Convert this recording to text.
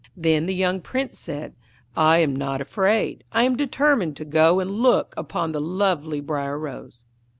Then the young Prince said, 'I am not afraid; I am determined to go and look upon the lovely Briar Rose.'